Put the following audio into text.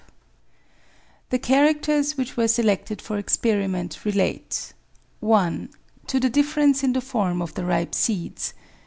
APPENDIX 317 The characters which were selected for experiment relate : 1. To the difference in the form of the ripe seeds.